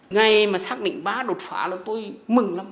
ngày mà xác định ba đột phá là tôi mừng lắm